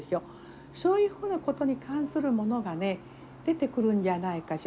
そういうふうなことに関するものがね出てくるんじゃないかしら。